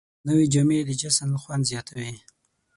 نوې جامې د جشن خوند زیاتوي